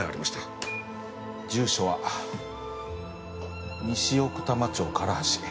住所は西奥多摩町唐橋。